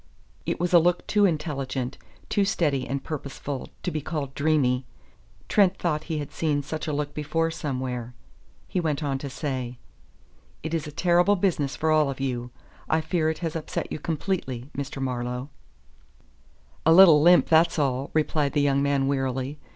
It was a look too intelligent, too steady and purposeful, to be called dreamy. Trent thought he had seen such a look before somewhere. He went on to say: "It is a terrible business for all of you. I fear it has upset you completely, Mr. Marlowe." "A little limp, that's all," replied the young man wearily.